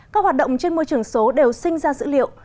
các hoạt động trên môi trường số đều sinh ra dữ liệu